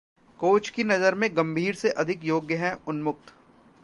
coach की नजर में गंभीर से अधिक योग्य हैं उन्मुक्त